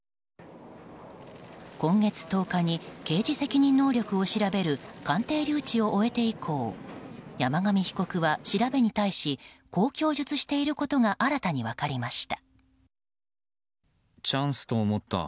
今月１０日に刑事責任能力を調べる鑑定留置を終えて以降山上被告は調べに対しこう供述していることが新たに分かりました。